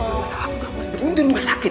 aku ga mau berlindung sama sakit